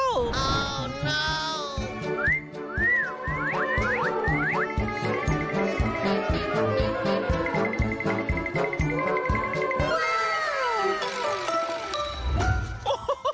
โอ้น้าว